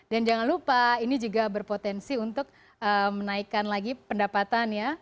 dan jangan lupa ini juga berpotensi untuk menaikkan lagi pendapatan ya